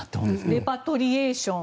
レパトリエーション。